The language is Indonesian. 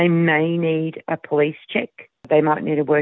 mungkin mereka membutuhkan cek polis